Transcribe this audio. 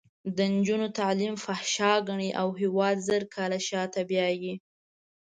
د نجونو تعلیم فحشا ګڼي او هېواد زر کاله شاته بیایي.